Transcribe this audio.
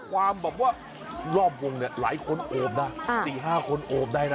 ความแบบว่ารอบวงเนี่ยหลายคนโอบนะ๔๕คนโอบได้นะ